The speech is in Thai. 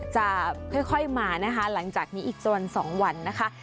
จะค่อยมาหลังจากนี้อีกสักวัน๒วันนะคะ